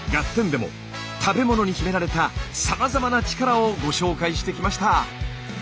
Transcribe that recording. でも食べ物に秘められたさまざまな力をご紹介してきました。